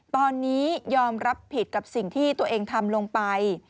ตอนนี้ยอมรับผิดกับสิ่งที่ตัวเองทำลงไป